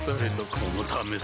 このためさ